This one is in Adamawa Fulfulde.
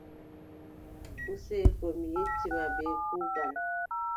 Useko mi yetti ma bee kuugal.